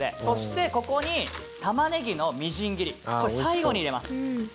そしてここにたまねぎのみじん切りこれ最後に入れます。